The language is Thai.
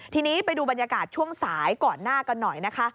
ทีนี้ไปดูบรรยากาศช่วงสายก่อนหน้ากันหน่อยนะคะ